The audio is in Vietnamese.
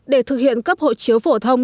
để thực hiện cấp hộ chiếu phổ thông